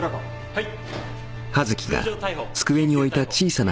はい。